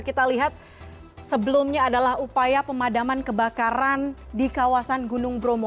kita lihat sebelumnya adalah upaya pemadaman kebakaran di kawasan gunung bromo